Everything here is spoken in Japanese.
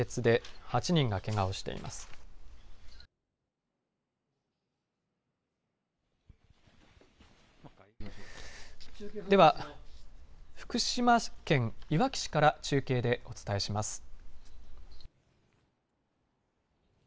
では、福島県いわき市から中継でお伝えします。